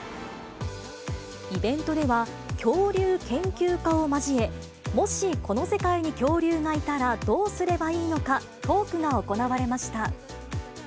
イベントでは、恐竜研究家を交え、もしこの世界に恐竜がいたらどうすればいいのか、トークが行われました。